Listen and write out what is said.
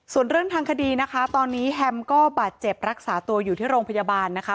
ส่วนเรื่องทางคดีนะคะตอนนี้แฮมก็บาดเจ็บรักษาตัวอยู่ที่โรงพยาบาลนะคะ